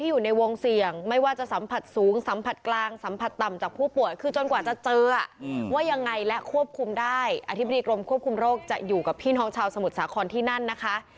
อยู่ในวงเสี่ยงไม่ว่าจะสัมผัสสูงสัมผัสกลางสัมผัสต่ำจากผู้ป่วยคือจนกว่าจะเจอว่ายังไงและควบคุมได้อธิบดีกรมควบคุมโรคจะอยู่กับพี่น้องชาวสมุทรสาครที่นั่นนะคะ